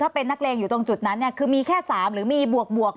ถ้าเป็นนักเรียงอยู่ตรงจุดนั้นเนี่ยคือมีแค่สามหรือมีบวก